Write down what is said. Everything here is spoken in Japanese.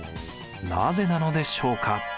なぜなのでしょうか？